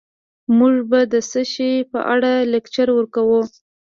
موږ به د څه شي په اړه لکچر ورکوو